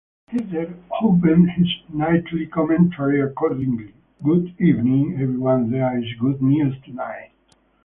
Heatter opened his nightly commentary accordingly: Good evening, everyone-there is good news tonight.